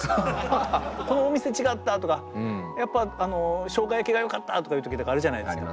「このお店違った」とか「やっぱしょうが焼きがよかった」とかいう時とかあるじゃないですか。